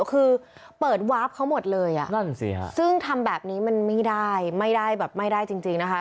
คือเปิดวาร์ฟเขาหมดเลยอ่ะนั่นสิฮะซึ่งทำแบบนี้มันไม่ได้ไม่ได้แบบไม่ได้จริงนะคะ